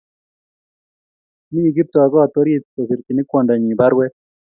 Mi Kiptoo koot orit kosirchini kwondonyin baruet